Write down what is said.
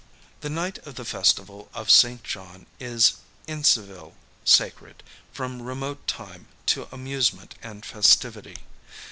The night of the festival of St. John is, in Seville, sacred, from remote time, to amusement and festivity.